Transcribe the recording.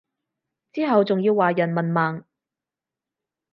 之後仲要話人文盲